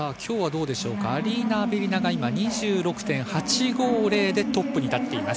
アリーナ・アベリナが２６．８５０でトップに立っています。